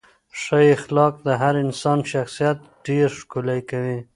ښه اخلاق د هر انسان شخصیت ډېر ښکلی کوي.